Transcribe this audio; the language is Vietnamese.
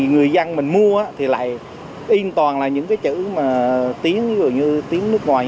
người dân mình mua thì lại yên toàn là những cái chữ mà tiếng rồi như tiếng nước ngoài